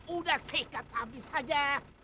udah sikat abis aja